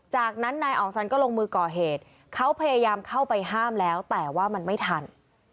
จากนั้นนายอ่องสันก็ลงมือก่อเหตุเขาพยายามเข้าไปห้ามแล้วแต่ว่ามันไม่ทัน